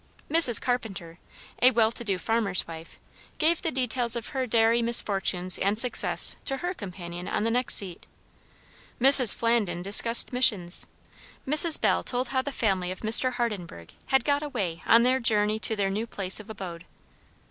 Mrs. Carpenter, a well to do farmer's wife, gave the details of her dairy misfortunes and success to her companion on the next seat. Mrs. Flandin discussed missions. Mrs. Bell told how the family of Mr. Hardenburgh had got away on their journey to their new place of abode.